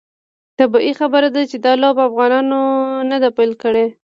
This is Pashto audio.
طبیعي خبره ده چې دا لوبه افغانانو نه ده پیل کړې.